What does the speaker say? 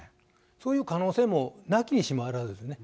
そういう可能性もなきにしもあらずですね。